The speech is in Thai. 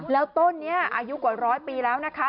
แล้วต้นนี้อายุกว่าร้อยปีแล้วนะคะ